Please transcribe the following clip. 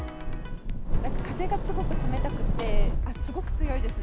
風がすごく冷たくて、すごく強いですね。